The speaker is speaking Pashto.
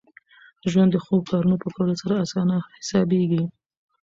ژوند د ښو کارونو په کولو سره اسانه حسابېږي.